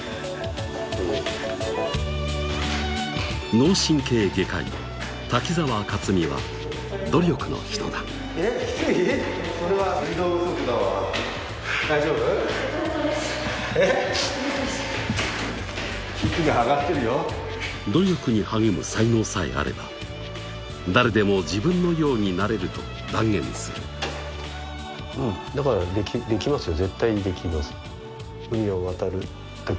脳神経外科医・瀧澤克己は努力の人だ努力に励む才能さえあれば誰でも自分のようになれると断言するうんだからできますよ